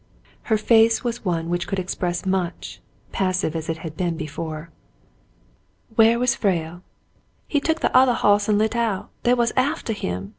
Her face was one which could express much, passive as it had been before. "Where was Frale.?" "He took the othah ho'se and lit out. They was aftah him.